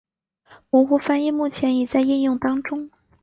模糊翻译目前已在应用当中。